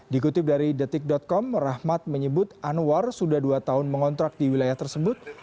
dikutip dari detik com rahmat menyebut anwar sudah dua tahun mengontrak di wilayah tersebut